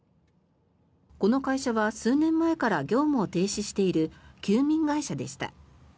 この会社は数年前から業務を停止している休眠会社でした。